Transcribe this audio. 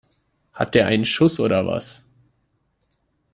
Hat der einen Schuss oder was?